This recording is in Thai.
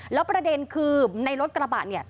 แล้วประเด็นคือในรถกระบะเนี่ย